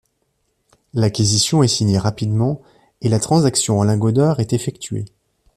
L'aquisition est signée rapidement, et la transaction en lingots d'or est effectuée.